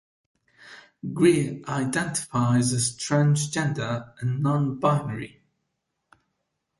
Greer identifies as transgender and nonbinary.